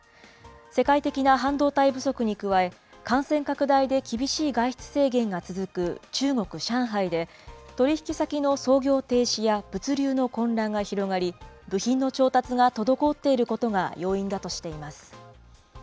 世界的な半導体不足に加え、感染拡大で厳しい外出制限が続く中国・上海で、取り引き先の操業停止や物流の混乱が広がり、部品の調達が滞っていることが要因だとしています。